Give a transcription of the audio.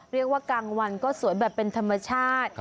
เรียกว่ากลางวันก็สวยแบบเป็นธรรมชาติ